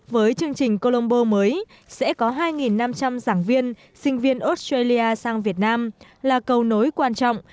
với chương trình colombo mới sẽ có hai năm trăm linh giảng viên sinh viên australia sang việt nam là cầu nối quan trọng